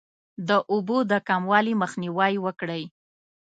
د اوبو د کموالي مخنیوی وکړئ.